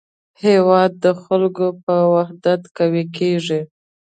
هېواد د خلکو په وحدت قوي کېږي.